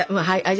はい。